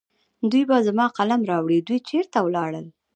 دوی به زما قلم راوړي. دوی چېرې ولاړل؟